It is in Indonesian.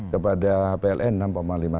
kepada pln enam lima triliun